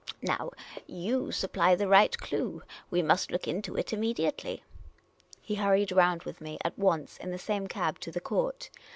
Now, jou supply the right clue. We must look into it immediately." He hurried round with me at once in the same cab to the court.